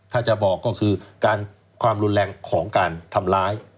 ถ้าจะบอกก็คือการความรุนแรงของการทำร้าย